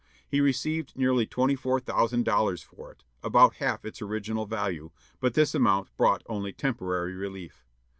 He received nearly twenty four thousand dollars for it, about half its original value. But this amount brought only temporary relief.